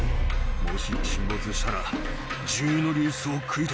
もし沈没したら。